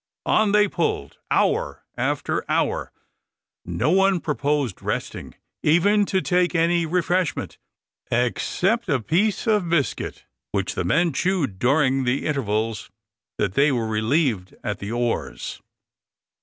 On they pulled, hour after hour. No one proposed resting, even to take any refreshment, except a piece of biscuit, which the men chewed during the intervals that they were relieved at the oars.